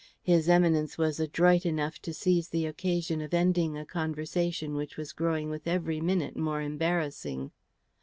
His Eminence was adroit enough to seize the occasion of ending a conversation which was growing with every minute more embarrassing.